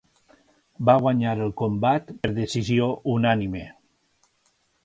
Va guanyar el combat per decisió unànime.